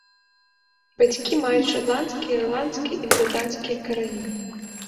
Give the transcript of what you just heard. Бацькі маюць шатландскія, ірландскія і брытанскія карані.